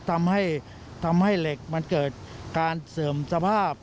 ทำให้เหล็กมันเกิดการเสริมสภาพ